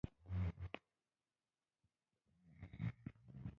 زه غواړم پښتو د انګلیسي هسپانوي او جرمنۍ ژبې سره څنګ کې وګورم